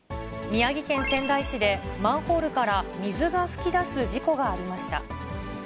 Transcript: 宮城県仙台市で、マンホールから水が噴き出す事故がありました。